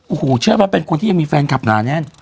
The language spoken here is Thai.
โอ้โหเชื่อว่าเป็นคนที่ยังมีแฟนคลับหนาแน่น